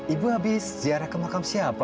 ibu habis ziarah ke makam siapa